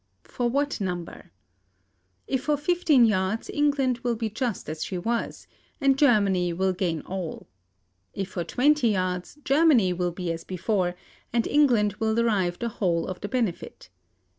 For what number? If for fifteen yards, England will be just as she was, and Germany will gain all. If for twenty yards, Germany will be as before, and England will derive the whole of the benefit.